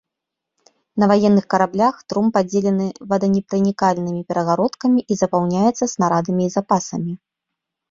На ваенных караблях трум падзелены воданепранікальнымі перагародкамі і запаўняецца снарадамі і запасамі.